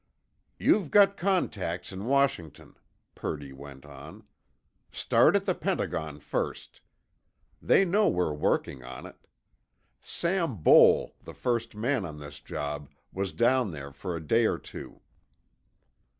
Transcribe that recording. "You've got contacts in Washington," Purdy went on. "Start at the Pentagon first. They know we're working on it. Sam Boal, the first man on this job, was down there for a day or two."